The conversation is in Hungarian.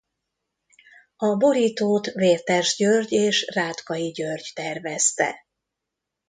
A borítót Vértes György és Rátkai György tervezte.